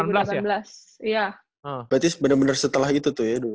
berarti bener bener setelah itu tuh ya